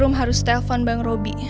rum harus telfon bang robi